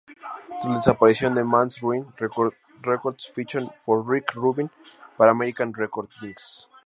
Tras la desaparición de Man's Ruin Records fichan por Rick Rubin para American Recordings.